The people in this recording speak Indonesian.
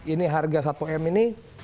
ini harga satu miliar rupiah ini